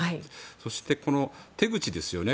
そして、この手口ですよね。